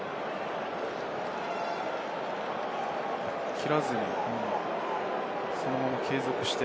切らずに、そのまま継続して。